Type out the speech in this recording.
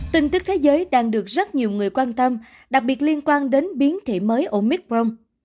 tình tức thế giới đang được rất nhiều người quan tâm đặc biệt liên quan đến biến thể mới omicron